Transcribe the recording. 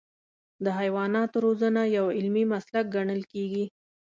د حیواناتو روزنه یو علمي مسلک ګڼل کېږي.